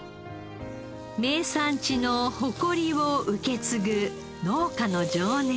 名産地の誇りを受け継ぐ農家の情熱。